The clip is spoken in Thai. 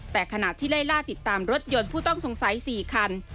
แต่ขณะที่ไล่ล่าติดตามรถยนต์ผู้ต้องสงสัย๔คัน